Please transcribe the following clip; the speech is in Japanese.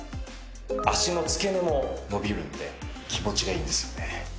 脚の付け根も伸びるんで気持ちがいいんですよね。